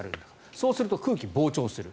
そうすると空気が膨張する。